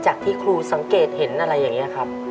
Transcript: จากที่ครูสังเกตเห็นอะไรอย่างนี้ครับ